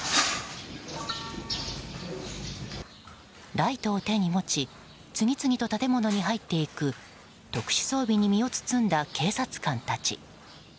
ライトを手に持ち次々と建物に入っていく特殊装備に身を包んだ警察官たち。